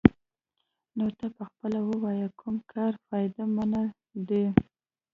نو ته پخپله ووايه کوم کار فايده مند دې.